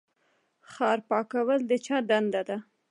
ښار پاکول د چا دنده ده؟